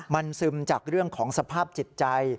มันซึมจากเรื่องของสภาพจิตใจ